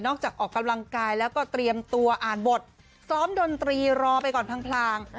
ออกจากออกกำลังกายแล้วก็เตรียมตัวอ่านบทซ้อมดนตรีรอไปก่อนพลาง